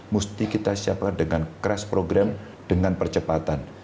mesti kita siapkan dengan crash program dengan percepatan